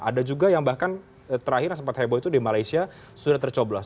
ada juga yang bahkan terakhir yang sempat heboh itu di malaysia sudah tercoblos